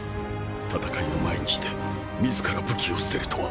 戦いを前にして自ら武器を捨てるとは。